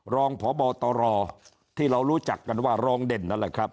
รองพบตรที่เรารู้จักกันว่ารองเด่นนั่นแหละครับ